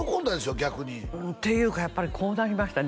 逆にっていうかやっぱりこうなりましたね